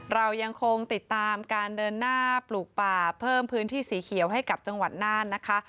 เรายังคงติดตามการเดินหน้าปลูกป่าเพิ่มพื้นที่สีเขียวให้กับจังหวัดน่านนะคะ